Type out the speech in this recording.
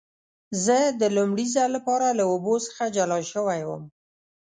زه د لومړي ځل لپاره له اوبو څخه جلا شوی وم.